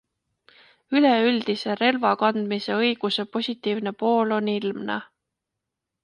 Üleüldise relvakandmise õiguse positiivne pool on ilmne.